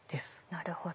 なるほど。